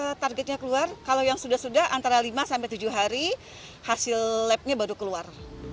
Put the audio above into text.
kalau targetnya keluar kalau yang sudah sudah antara lima sampai tujuh hari hasil labnya baru keluar